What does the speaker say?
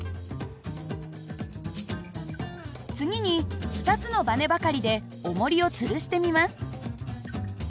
次に２つのばねばかりでおもりをつるしてみます。